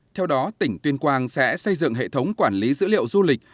theo đó tỉnh tuyên quang sẽ xây dựng hệ thống quản lý dữ liệu du lịch